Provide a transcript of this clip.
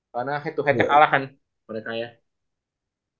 karena head to head kalah kan mereka ya